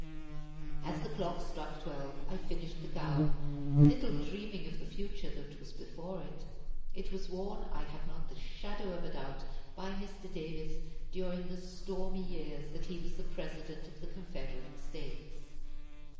As the clock struck twelve I finished the gown, little dreaming of the future that was before it. It was worn, I have not the shadow of a doubt, by Mr. Davis during the stormy years that he was the President of the Confederate States.